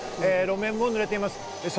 路面も濡れています。